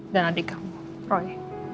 dan adik kamu roy